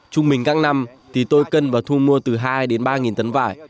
trung bình các năm thì tôi cân và thu mua từ hai đến ba tấn vải